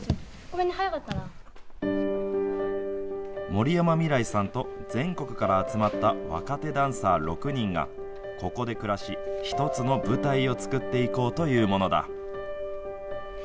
森山未來さんと全国から集まった若手ダンサー６人が、ここで暮らし、１つの舞台を作っていこうというものだ。